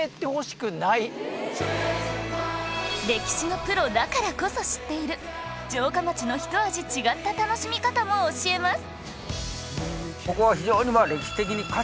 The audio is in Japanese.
歴史のプロだからこそ知っている城下町のひと味違った楽しみ方も教えます